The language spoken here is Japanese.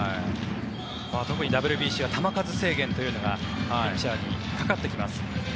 特にＷＢＣは球数制限というのがピッチャーにかかってきます。